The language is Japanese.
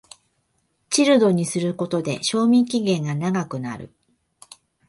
チルドにすることで賞味期限が長くなる